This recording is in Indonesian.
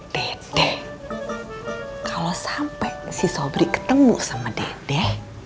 teteh kalau sampai si sobri ketemu sama dede